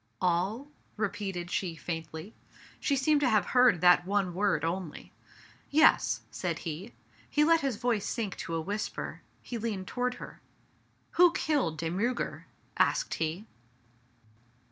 " All ?" repeated she faintly. She seemed to have heard that one word only. " Yes," said he. He let his voice sink to a whisper, he leaned toward her. " Who killed De Miirger ?" asked he.